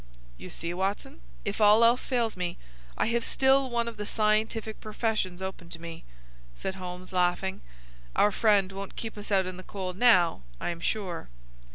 "You see, Watson, if all else fails me I have still one of the scientific professions open to me," said Holmes, laughing. "Our friend won't keep us out in the cold now, I am sure."